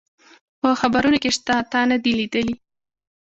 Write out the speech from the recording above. په خبرونو کي شته، تا نه دي لیدلي؟